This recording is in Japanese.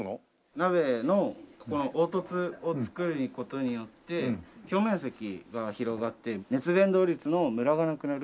鍋のここの凹凸を作る事によって表面積が広がって熱伝導率のムラがなくなる。